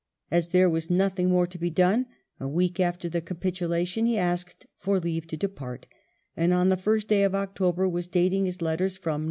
As there was nothing more to be done, a week after the capitulation he asked for leave to depart, and on the first day of October was dating his letters from "No.